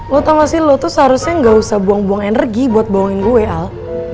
lo tambah sih lo tuh seharusnya gak usah buang buang energi buat bawangin gue al